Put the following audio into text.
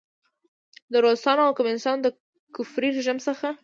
د روسانو او کمونیسټانو د کفري رژیم څخه.